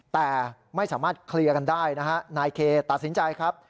แต่ไม่สามารถเคลียร์กันได้นะฮะนายเคตัดสินใจครับ